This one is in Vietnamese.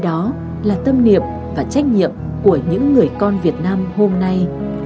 đó là tâm niệm và trách nhiệm của những người con việt nam hôm nay